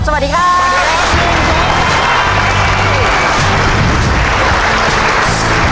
สวัสดีครับ